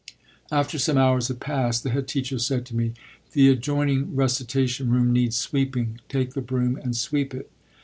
After some hours had passed, the head teacher said to me, "The adjoining recitation room needs sweeping. Take the broom and sweep it."